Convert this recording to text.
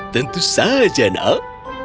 tentu saja nal